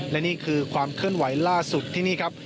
และนี่คือความเคลื่อนไหวล่าสุดที่นี่ครับ